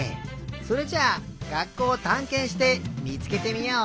それじゃあがっこうをたんけんしてみつけてみよう！